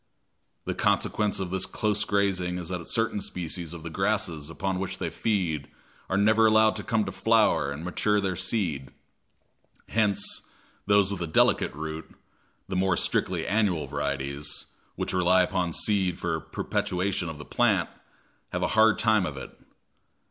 The consequence of this close grazing is that certain species of the grasses upon which they feed are never allowed to come to flower and mature their seed; hence those with a delicate root, the more strictly annual varieties, which rely upon seed for perpetuation of the plant, have a hard time of it.